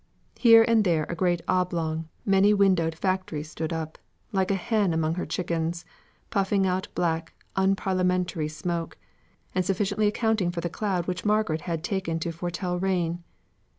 Here and there a great oblong many windowed factory stood up, like a hen among her chickens, puffing out black "unparliamentary" smoke, and sufficiently accounting for the cloud which Margaret had taken to foretell rain.